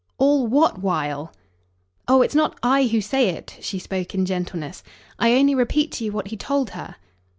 "All WHAT while?" "Oh it's not I who say it." She spoke in gentleness. "I only repeat to you what he told her."